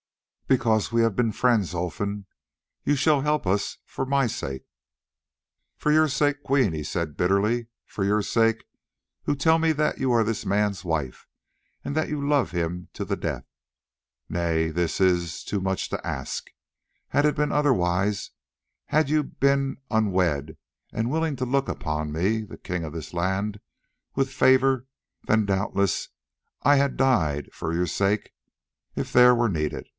"Because we have been friends, Olfan. You shall help us for my sake." "For your sake, Queen," he said bitterly, "for your sake, who tell me that you are this man's wife and that you love him to the death. Nay, this is much to ask. Had it been otherwise, had you been unwed and willing to look upon me, the king of this land, with favour, then doubtless I had died for your sake if there were need.